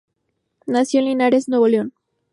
Nació en Linares, Nuevo León.